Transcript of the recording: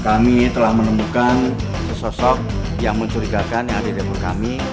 kami telah menemukan sosok yang mencurigakan yang ada di depan kami